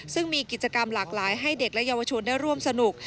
ซึ่งมีกิจกรรมหลากหลายให้เด็กและเยาวชนได้ร่วมสนุก